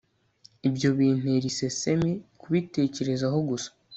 Ibyo bintera isesemi kubitekerezaho gusa